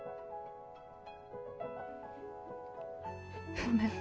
ごめん。